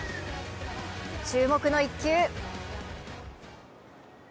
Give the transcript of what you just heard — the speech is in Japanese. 注目の一球。